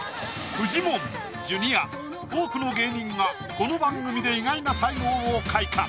フジモンジュニア多くの芸人がこの番組で意外な才能を開花。